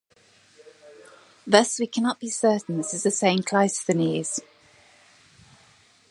Thus we cannot be certain this is the same Cleisthenes.